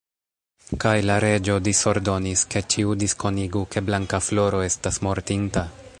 Kaj la reĝo disordonis, ke ĉiu diskonigu, ke Blankafloro estas mortinta.